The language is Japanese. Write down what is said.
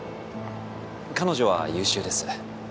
彼女は優秀です。